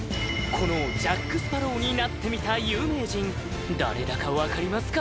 このジャック・スパロウにナッテミタ有名人誰だかわかりますか？